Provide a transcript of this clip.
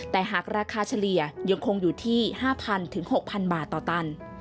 แต่หากราคาเฉลี่ยยังคงอยู่ที่๕๐๐๖๐๐บาทต่อตัน